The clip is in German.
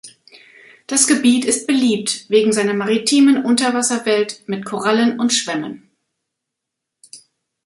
Das Gebiet ist beliebt wegen seiner maritimen Unterwasserwelt mit Korallen und Schwämmen.